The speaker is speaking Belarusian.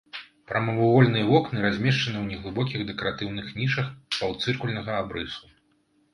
Прамавугольныя вокны размешчаны ў неглыбокіх дэкаратыўных нішах паўцыркульнага абрысу.